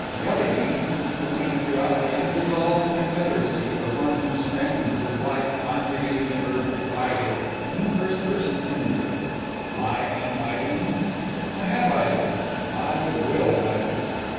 "Jelly bean" is the name throughout the undissolved Confederacy for one who spends his life conjugating the verb to idle in the first person singular I am idling, I have idled, I will idle.